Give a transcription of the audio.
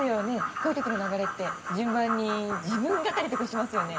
こういうときの流れって順番に自分語りとかしますよね？